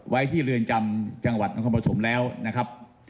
ไว้ที่เรือนจำจังหวัดนครปฐมแล้วนะครับ